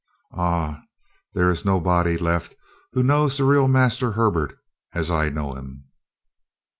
Ah, there is nobody left who knows the real Master Herbert as I know him."